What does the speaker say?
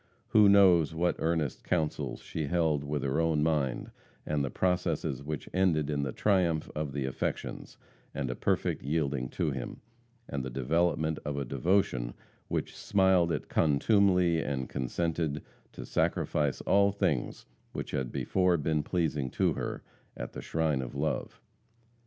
Who knows what earnest councils she held with her own mind and the processes which ended in the triumph of the affections, and a perfect yielding to him, and the development of a devotion which smiled at contumely and consented to sacrifice all things which had before been pleasing to her, at the shrine of love?